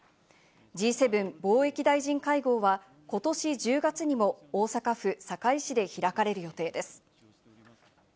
Ｇ７貿易大臣会合は今年１０月にも大阪府堺市で開かれる予定です。